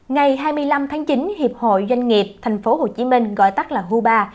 ngày hai mươi năm tháng chín hiệp hội doanh nghiệp tp hcm gọi tắt là hubar